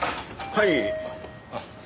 はい。